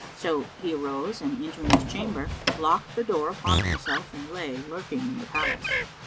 So he arose and entering his chamber, locked the door upon himself, and lay lurking in the palace.